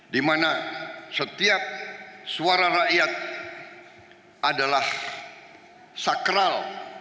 dimana setiap suara rakyat adalah sakral